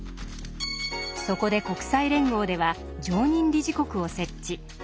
そこで国際連合では常任理事国を設置。